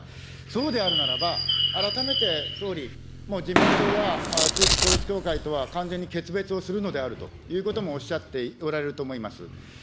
そうであるならば、改めて総理、もう自民党は統一教会とは完全に決別をするのであるということもおっしゃっておられると思います。